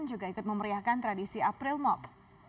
juga ikut memeriahkan tradisi april mop